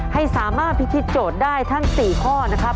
ให้สามารถพิธีโจทย์ได้ทั้ง๔ข้อนะครับ